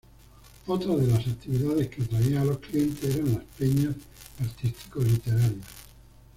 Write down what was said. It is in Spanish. Otra de las actividades que atraían a los clientes eran las peñas artístico literarias.